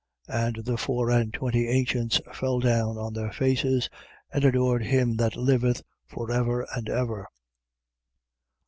And the four and twenty ancients fell down on their faces and adored him that liveth for ever and ever.